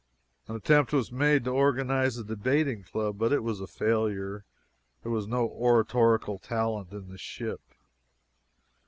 An attempt was made to organize a debating club, but it was a failure. There was no oratorical talent in the ship.